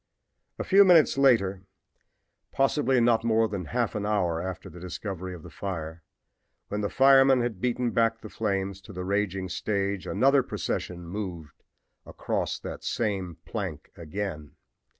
A few minutes later, possibly not more than half an hour after the discovery of the fire, when the firemen had beaten back the flames to the raging stage another procession moved across that same plank again.